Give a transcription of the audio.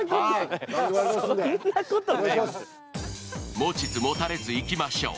持ちつ持たれついきましょう。